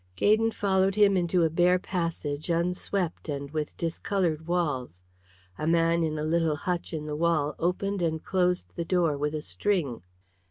Gaydon followed him into a bare passage unswept and with discoloured walls. A man in a little hutch in the wall opened and closed the door with a string.